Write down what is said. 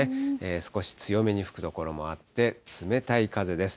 少し強めに吹く所もあって、冷たい風です。